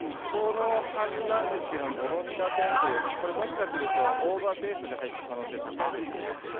そのはずなんですけどボロニナ選手、もしかするとオーバーペースで入った可能性高いですね。